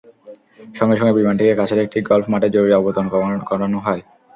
সঙ্গে সঙ্গে বিমানটিকে কাছের একটি গলফ মাঠে জরুরি অবতরণ করানো হয়।